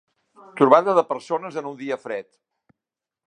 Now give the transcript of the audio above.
Trobada de persones en un dia fred.